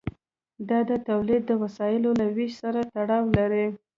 دا د تولید د وسایلو له ویش سره تړاو لري.